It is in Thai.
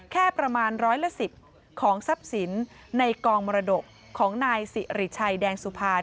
แค่ประมาณร้อยละ๑๐ของทรัพย์สินในกองมรดกของนายสิริชัยแดงสุภา